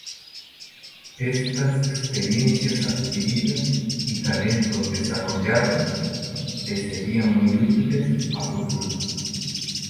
Estas experiencias adquiridas y talentos desarrollados les serían muy útiles a futuro.